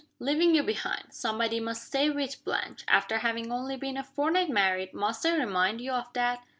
"Leaving you behind. Somebody must stay with Blanche. After having only been a fortnight married, must I remind you of that?"